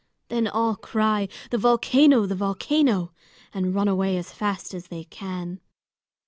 Then all cry, "The volcano, the volcano!" and run away as fast as they can.